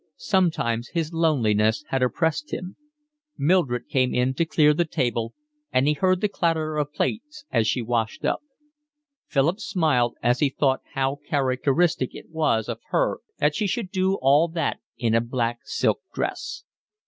Sometimes his loneliness had oppressed him. Mildred came in to clear the table, and he heard the clatter of plates as she washed up. Philip smiled as he thought how characteristic it was of her that she should do all that in a black silk dress.